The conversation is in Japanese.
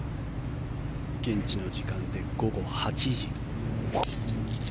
現地の時間で午後８時。